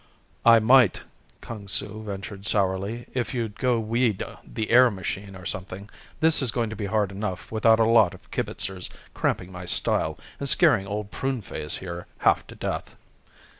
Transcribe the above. "I might," Kung Su ventured sourly, "if you'd go weed the air machine or something. This is going to be hard enough without a lot of kibitzers cramping my style and scaring Old Pruneface here half to death."